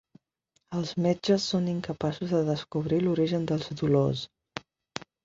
Els metges són incapaços de descobrir l'origen dels dolors.